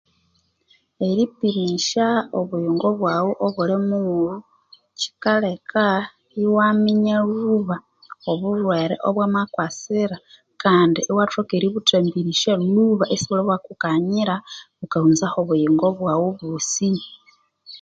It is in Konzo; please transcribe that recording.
Eripimisya obuyingo bwaghu obuli mughulhu kyikaleka iwa minya lhuba obulhwere obwama kwasira kandi iwathoka eributhambirisya lhuba isibuli bwakukanyira bukahunzaho obuyingo bwaghu obwosi.